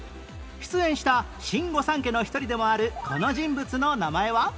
出演した新御三家の一人でもあるこの人物の名前は？